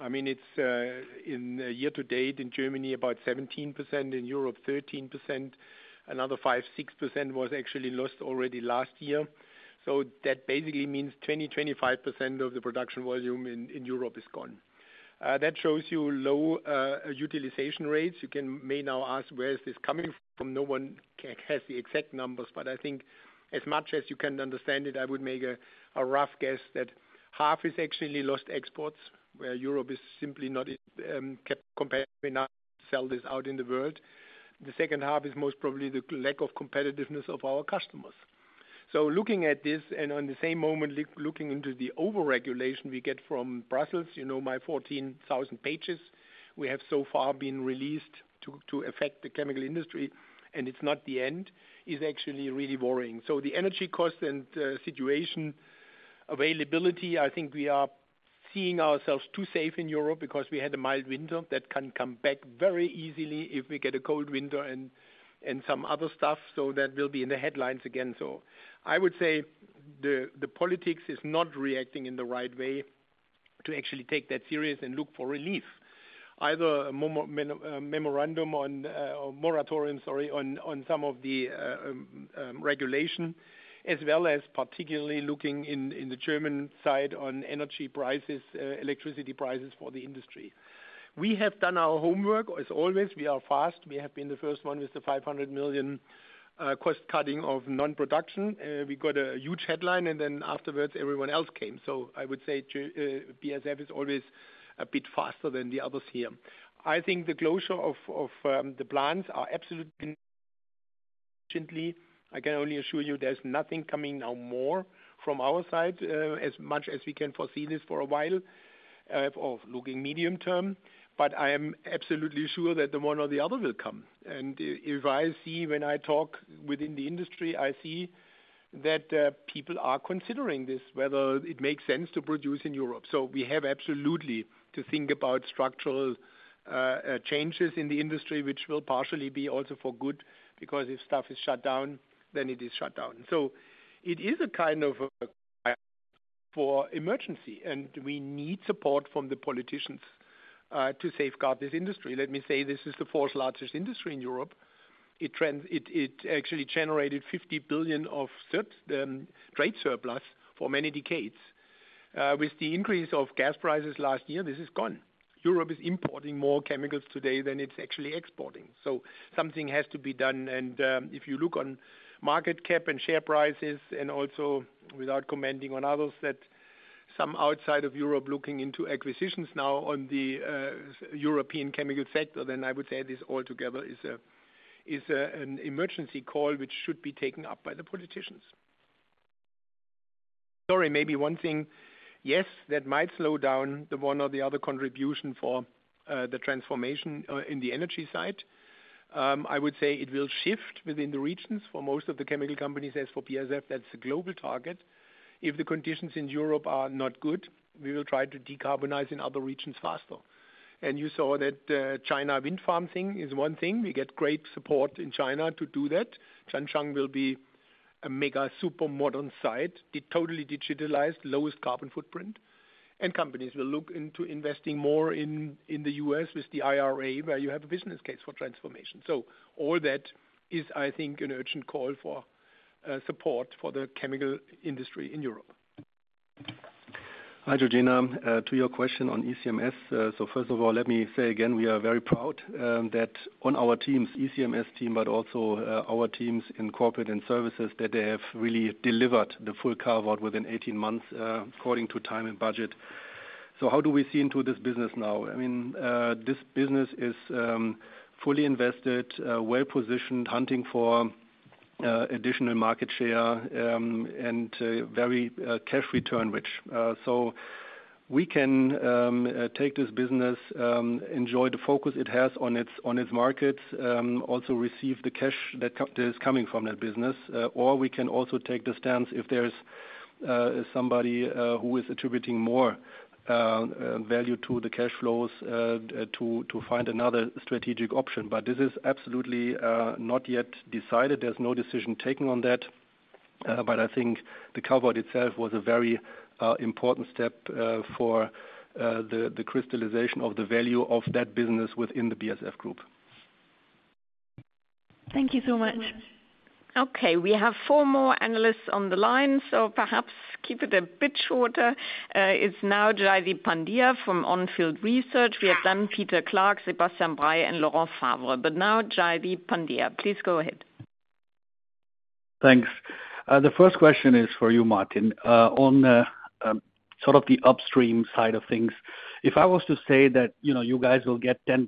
I mean, it's in year to date in Germany, about 17%, in Europe, 13%. Another 5%, 6% was actually lost already last year. That basically means 20%-25% of the production volume in, in Europe is gone. That shows you low utilization rates. You may now ask, "Where is this coming from?" No one has the exact numbers, but I think as much as you can understand it, I would make a rough guess that half is actually lost exports, where Europe is simply not competitive enough to sell this out in the world. The second half is most probably the lack of competitiveness of our customers. Looking at this, and on the same moment, looking into the overregulation we get from Brussels, you know, my 14,000 pages we have so far been released to, to affect the chemical industry, and it's not the end, is actually really worrying. The energy cost and situation availability, I think we are seeing ourselves too safe in Europe because we had a mild winter that can come back very easily if we get a cold winter and, and some other stuff. That will be in the headlines again. I would say the, the politics is not reacting in the right way to actually take that serious and look for relief, either memorandum on, or moratorium, sorry, on, on some of the regulation, as well as particularly looking in, in the German side on energy prices, electricity prices for the industry. We have done our homework, as always. We are fast. We have been the first one with the 500 million cost cutting of non-production. We got a huge headline. Then afterwards everyone else came. I would say BASF is always a bit faster than the others here. I think the closure of, of the plants are absolutely. I can only assure you there's nothing coming now more from our side, as much as we can foresee this for a while, of looking medium term. I am absolutely sure that the one or the other will come, and if I see when I talk within the industry, I see that people are considering this, whether it makes sense to produce in Europe. We have absolutely to think about structural changes in the industry, which will partially be also for good, because if stuff is shut down, then it is shut down. It is a kind of a for emergency, and we need support from the politicians, to safeguard this industry. Let me say this is the fourth largest industry in Europe. It trans- it, it actually generated 50 billion of sur-, trade surplus for many decades. With the increase of gas prices last year, this is gone. Europe is importing more chemicals today than it's actually exporting, so something has to be done, and, if you look on market cap and share prices, and also, without commenting on others, that some outside of Europe looking into acquisitions now on the European chemical sector, then I would say this altogether is a, is a, an emergency call, which should be taken up by the politicians. Sorry, maybe one thing. Yes, that might slow down the one or the other contribution for the transformation in the energy side. I would say it will shift within the regions for most of the chemical companies. As for BASF, that's a global target. If the conditions in Europe are not good, we will try to decarbonize in other regions faster. You saw that China wind farm thing is one thing. We get great support in China to do that. Zhanjiang will be a mega super modern site, it totally digitalized lowest carbon footprint, and companies will look into investing more in, in the U.S. with the IRA, where you have a business case for transformation. All that is, I think, an urgent call for support for the chemical industry in Europe. Hi, Georgina. To your question on ECMS, first of all, let me say again, we are very proud that on our teams, ECMS team, but also our teams in corporate and services, they have really delivered the full carve-out within 18 months, according to time and budget. How do we see into this business now? I mean, this business is fully invested, well-positioned, hunting for additional market share, and very cash return rich. We can take this business, enjoy the focus it has on its markets, also receive the cash that is coming from that business. We can also take the stance if there's somebody who is attributing more value to the cash flows, to find another strategic option. This is absolutely not yet decided. There's no decision taken on that. I think the carve-out itself was a very important step for the crystallization of the value of that business within the BASF Group. Thank you so much. Okay, we have four more analysts on the line, so perhaps keep it a bit shorter. It's now Jaideep Pandya from On Field Research. We have done Peter Clark, Sebastian Bray, and Laurent Favre. Now Jaideep Pandya, please go ahead. Thanks. The first question is for you, Martin. On, sort of the upstream side of things, if I was to say that, you know, you guys will get 10%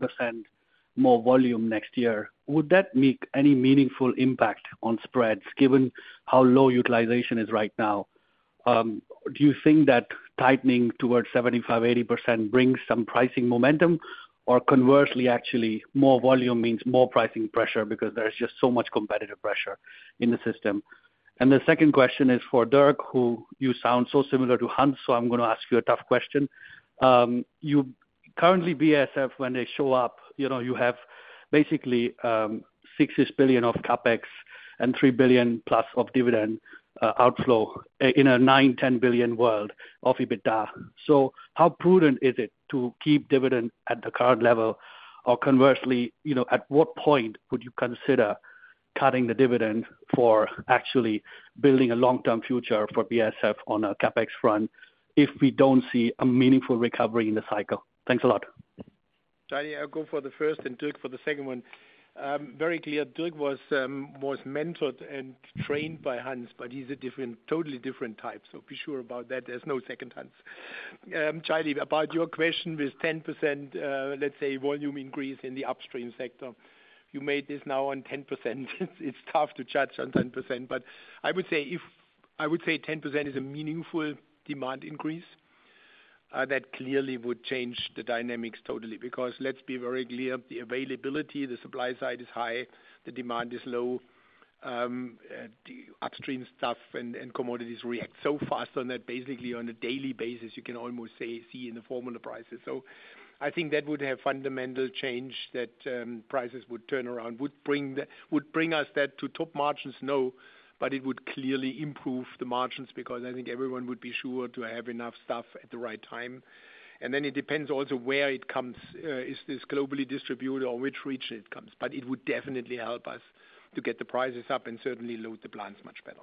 more volume next year, would that make any meaningful impact on spreads, given how low utilization is right now? Do you think that tightening towards 75%-80% brings some pricing momentum, or conversely, actually, more volume means more pricing pressure because there's just so much competitive pressure in the system? The second question is for Dirk, who you sound so similar to Hans, so I'm gonna ask you a tough question. Currently, BASF, when they show up, you know, you have basically, 6 billion of CapEx and 3 billion+ of dividend outflow in a 9 billion-10 billion world of EBITDA. How prudent is it to keep dividend at the current level, or conversely, you know, at what point would you consider cutting the dividend for actually building a long-term future for BASF on a CapEx front if we don't see a meaningful recovery in the cycle? Thanks a lot. Jaideep, I'll go for the first and Dirk for the second one. Very clear, Dirk was mentored and trained by Hans, but he's a different, totally different type, so be sure about that. There's no second Hans. Jaideep, about your question, with 10%, let's say volume increase in the upstream sector, you made this now on 10%. It's, it's tough to judge on 10%, but I would say if, I would say 10% is a meaningful demand increase, that clearly would change the dynamics totally. Let's be very clear, the availability, the supply side is high, the demand is low. The upstream stuff and commodities react so fast on that, basically on a daily basis, you can almost say see in the formula prices. I think that would have fundamental change that prices would turn around, would bring us that to top margins, no, but it would clearly improve the margins because I think everyone would be sure to have enough stuff at the right time. Then it depends also where it comes. Is this globally distributed or which region it comes? It would definitely help us to get the prices up and certainly load the plants much better.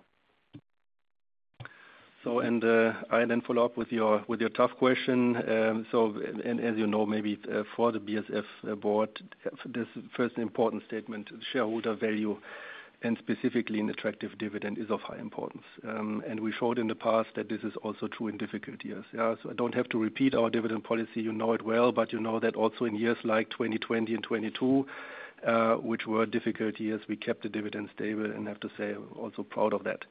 I then follow up with your, with your tough question. As you know, maybe, for the BASF Board, this first important statement, shareholder value and specifically an attractive dividend, is of high importance. We showed in the past that this is also true in difficult years. I don't have to repeat our dividend policy. You know it well, you know that also in years like 2020 and 2022, which were difficult years, we kept the dividend stable and have to say, I'm also proud of that.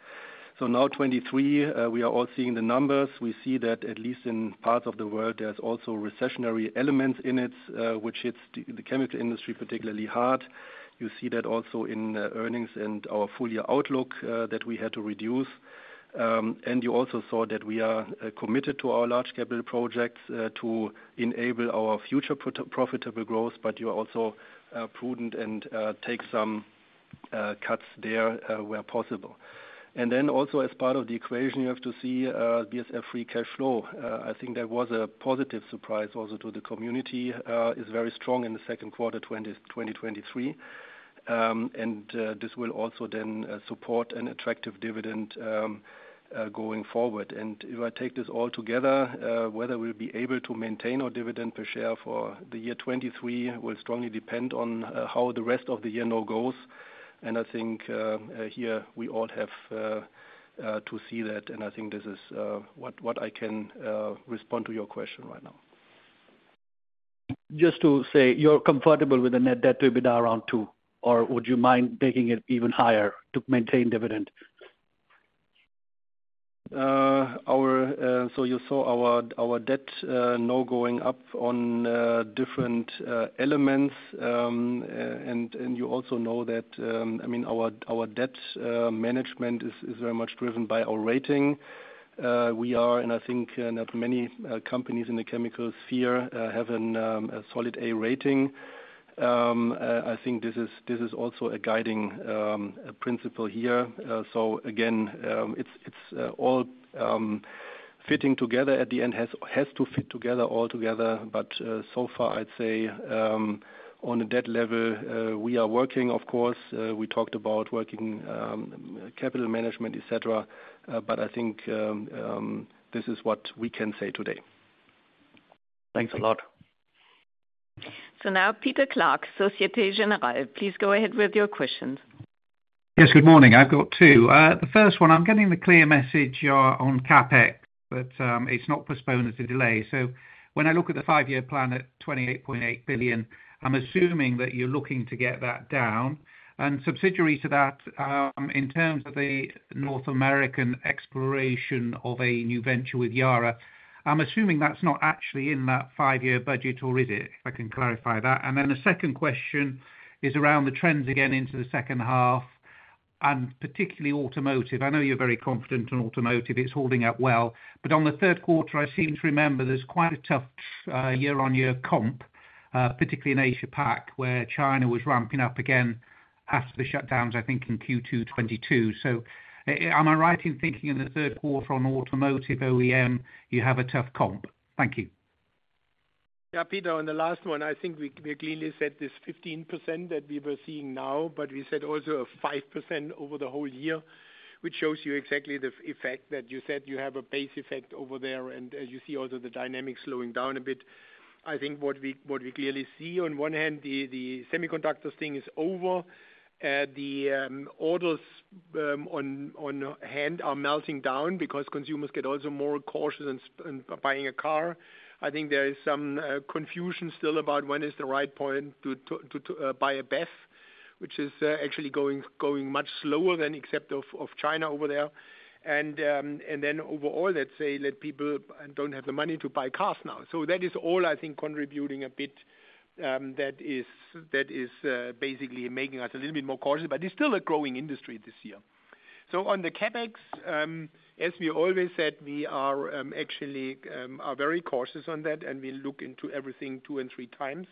2023, we are all seeing the numbers. We see that at least in parts of the world, there's also recessionary elements in it, which hits the, the chemical industry particularly hard. You see that also in earnings and our full year outlook that we had to reduce. You also saw that we are committed to our large capital projects to enable our future profitable growth, but you are also prudent and take some cuts there where possible. Also, as part of the equation, you have to see BASF free cash flow. I think there was a positive surprise also to the community, is very strong in the second quarter 2023. This will also then support an attractive dividend going forward. If I take this all together, whether we'll be able to maintain our dividend per share for the year 2023 will strongly depend on how the rest of the year now goes. I think, here we all have to see that, and I think this is what, what I can respond to your question right now. Just to say, you're comfortable with the net debt to EBITDA around two, or would you mind taking it even higher to maintain dividend? Our, you saw our debt now going up on different elements. You also know that, I mean, our debt management is very much driven by our rating.... we are, and I think not many companies in the chemical sphere have a solid A rating. I think this is also a guiding principle here. Again, it's all fitting together at the end, has to fit together altogether. So far I'd say, on a debt level, we are working, of course. We talked about working capital management, et cetera. I think this is what we can say today. Thanks a lot. Now Peter Clark, Societe Generale, please go ahead with your questions. Yes, good morning. I've got two. The first one, I'm getting the clear message you're on CapEx, but it's not postponed, it's a delay. When I look at the 5-year plan at 28.8 billion, I'm assuming that you're looking to get that down. Subsidiary to that, in terms of the North American exploration of a new venture with Yara, I'm assuming that's not actually in that 5-year budget, or is it? If I can clarify that. The second question is around the trends again, into the second half, and particularly automotive. I know you're very confident in automotive, it's holding up well. On the Q3, I seem to remember there's quite a tough, year-on-year comp, particularly in Asia Pac, where China was ramping up again after the shutdowns, I think, in Q2 2022. Am I right in thinking in the Q3 on automotive OEM, you have a tough comp? Thank you. Yeah, Peter, on the last one, I think we, we clearly said this 15% that we were seeing now, but we said also a 5% over the whole year, which shows you exactly the effect that you said. You have a base effect over there, and as you see also the dynamics slowing down a bit. I think what we, what we clearly see on one hand, the, the semiconductors thing is over. The orders on hand are melting down because consumers get also more cautious in buying a car. I think there is some confusion still about when is the right point to buy a BEV, which is actually going much slower than except China over there. Overall, let's say, let people don't have the money to buy cars now. That is all, I think, contributing a bit, that is, that is, basically making us a little bit more cautious, but it's still a growing industry this year. On the CapEx, as we always said, we are actually very cautious on that, and we look into everything two and three times.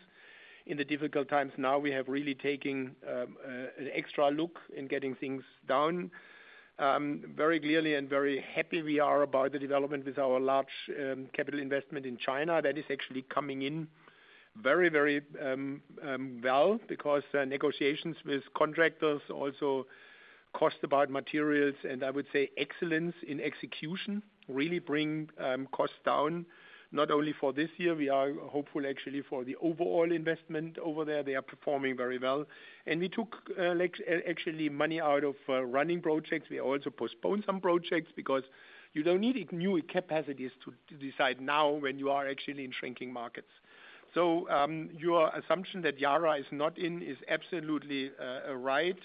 In the difficult times now, we have really taking an extra look in getting things down. Very clearly and very happy we are about the development with our large capital investment in China. That is actually coming in very, very well, because negotiations with contractors, also cost about materials, and I would say excellence in execution really bring costs down, not only for this year. We are hopeful actually for the overall investment over there. They are performing very well. We took, like, actually money out of running projects. We also postponed some projects because you don't need new capacities to decide now when you are actually in shrinking markets. Your assumption that Yara is not in is absolutely right.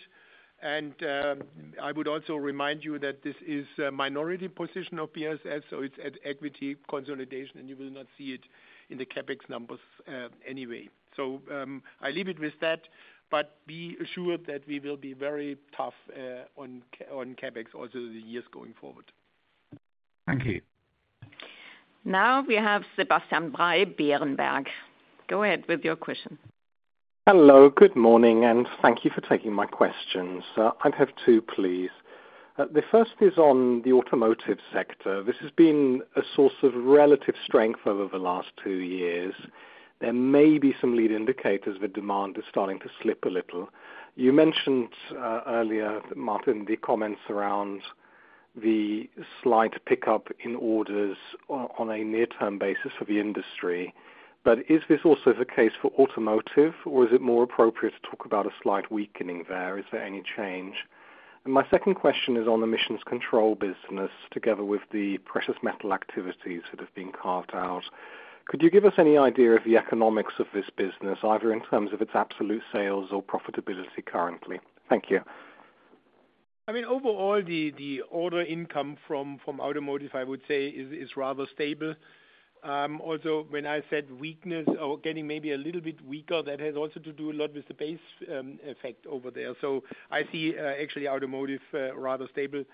I would also remind you that this is a minority position of BSS, so it's at equity consolidation, and you will not see it in the CapEx numbers anyway. I leave it with that, but be assured that we will be very tough on CapEx also the years going forward. Thank you. Now we have Sebastian Bray, Berenberg. Go ahead with your question. Hello, good morning, and thank you for taking my questions. I have two, please. The first is on the automotive sector. This has been a source of relative strength over the last two years. There may be some lead indicators that demand is starting to slip a little. You mentioned, earlier, Martin, the comments around the slight pickup in orders on, on a near-term basis for the industry, but is this also the case for automotive, or is it more appropriate to talk about a slight weakening there? Is there any change? My second question is on the emissions control business, together with the precious metal activities that have been carved out. Could you give us any idea of the economics of this business, either in terms of its absolute sales or profitability currently? Thank you. I mean, overall, the, the order income from, from automotive, I would say, is, is rather stable. Also, when I said weakness or getting maybe a little bit weaker, that has also to do a lot with the base effect over there. I see actually automotive rather stable,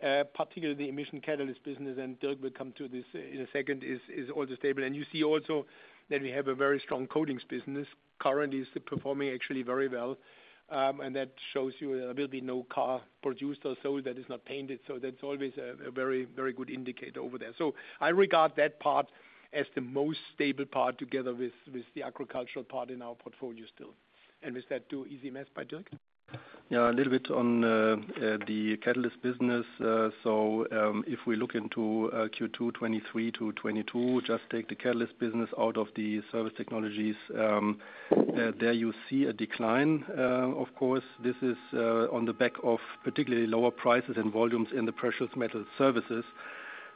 particularly the emission catalyst business, and Dirk will come to this in a second, is also stable. You see also that we have a very strong coatings business. Currently, it's performing actually very well, and that shows you there will be no car produced or sold that is not painted. That's always a, a very, very good indicator over there. I regard that part as the most stable part, together with, with the agricultural part in our portfolio still. With that, two easy maths by Dirk? Yeah, a little bit on the catalyst business. If we look into Q2 2023 to 2022, just take the catalyst business out of the service technologies, there you see a decline. Of course, this is on the back of particularly lower prices and volumes in the precious metal services,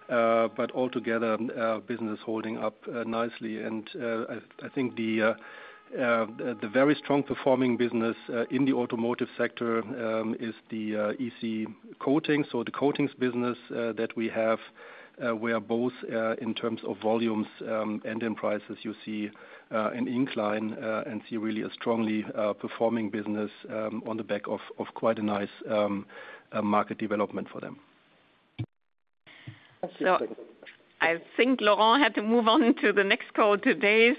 but altogether, our business holding up nicely. I think the very strong performing business in the automotive sector is the EC coatings or the coatings business that we have, where both in terms of volumes and in prices, you see an incline and see really a strongly performing business on the back of quite a nice market development for them. Thank you. I think Laurent had to move on to the next call today.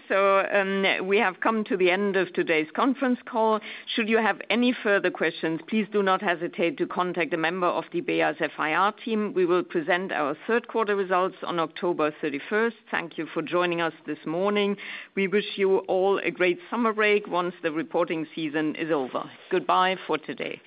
We have come to the end of today's conference call. Should you have any further questions, please do not hesitate to contact a member of the BASF's IR team. We will present our Q3 results on October 31st. Thank you for joining us this morning. We wish you all a great summer break once the reporting season is over. Goodbye for today.